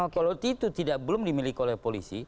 kalau itu belum dimiliki oleh polisi